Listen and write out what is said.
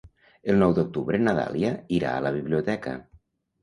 El nou d'octubre na Dàlia irà a la biblioteca.